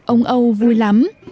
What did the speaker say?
ông âu vui lắm